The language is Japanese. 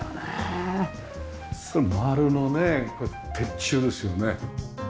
丸のねこれ鉄柱ですよね。